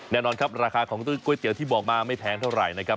แน่นอนครับราคาของก๋วยเตี๋ยวที่บอกมาไม่แพงเท่าไหร่นะครับ